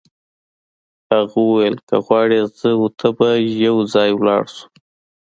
هغه وویل که غواړې زه او ته به یو ځای ولاړ شو.